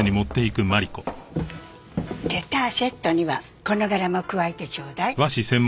レターセットにはこの柄も加えてちょうだい。